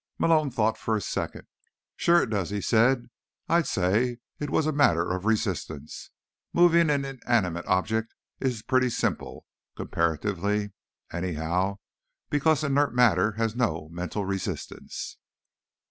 Malone thought for a second. "Sure it does," he said. "I'd say it was a matter of resistance. Moving an inanimate object is pretty simple— comparatively, anyhow—because inert matter has no mental resistance."